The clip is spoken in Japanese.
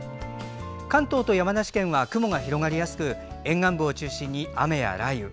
関東と山梨県は雲が広がりやすく沿岸部を中心に雨や雷雨。